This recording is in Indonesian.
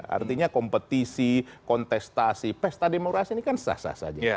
artinya kompetisi kontestasi pesta demokrasi ini kan sah sah saja